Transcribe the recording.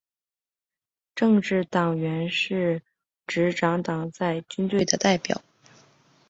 政治委员是执政党在军队的代表。